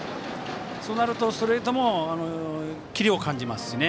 そうなると、ストレートもキレを感じますよね。